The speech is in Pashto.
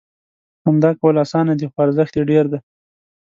• خندا کول اسانه دي، خو ارزښت یې ډېر دی.